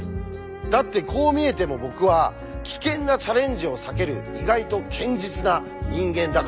だってこう見えても僕は危険なチャレンジを避ける意外と堅実な人間だからです。